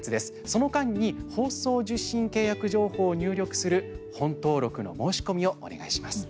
その間に放送受信契約情報を入力する本登録の申し込みをお願いします。